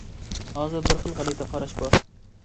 ھازىر بىر خىل غەلىتە قاراش بار.